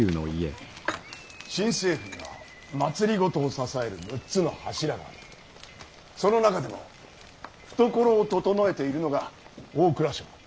新政府には政を支える６つの柱がありその中でも懐をととのえているのが大蔵省だ。